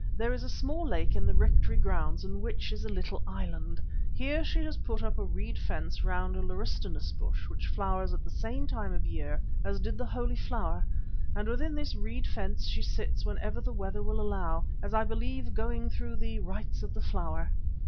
There is a small lake in the Rectory grounds in which is a little island. Here she has put up a reed fence round a laurustinus bush which flowers at the same time of year as did the Holy Flower, and within this reed fence she sits whenever the weather will allow, as I believe going through 'the rites of the Flower.